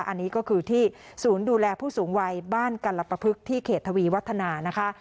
อันนี้ก็คือที่ศูนย์ดูแลผู้สูงวัยบ้านกัลปภึกที่เขตทวีวัฒนานะคะ